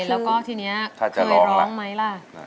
แล้วก็ทีนี้เคยร้องไหมล่ะ